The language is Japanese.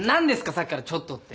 さっきから「ちょっと」って。